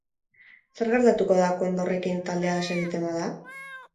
Zer gertatuko da kondorrekin taldea desegiten bada?